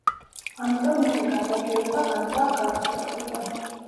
ამიტომ მისი გასაჩივრება განზრახ გართულებულია.